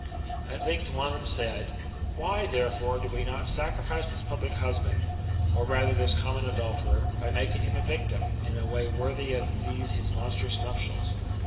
At length one of them said :" Why, therefore, do W6 not sacrifice this public husband, or rather this common adulterer, by making him a victim, in a way worthy of these his monstrous nuptials